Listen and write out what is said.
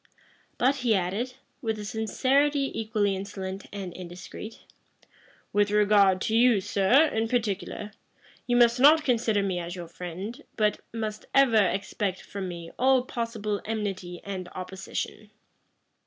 But he added, with a sincerity equally insolent and indiscreet, "With regard to you, sir, in particular, you must not consider me as your friend, but must ever expect from me all possible enmity and opposition."